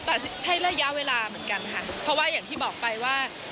แต่ใช้ระยะเวลาเหมือนกันค่ะเพราะว่าอย่างที่บอกไปว่า